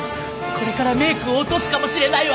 これからメイクを落とすかもしれないわ。